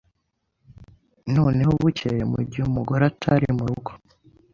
Noneho bukeye mu ighe umugore atari mu rugo,